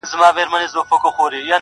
عبث ژوند دي نژدې سوی تر شپېتو دی,